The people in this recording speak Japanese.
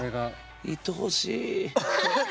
いとおしい。